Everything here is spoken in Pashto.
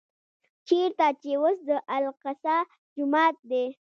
چېرته چې اوس د الاقصی جومات دی.